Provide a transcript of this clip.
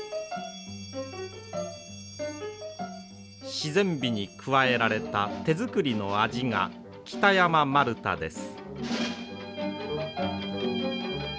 自然美に加えられた手作りの味が北山丸太です。